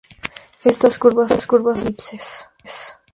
Estas curvas "no" son elipses.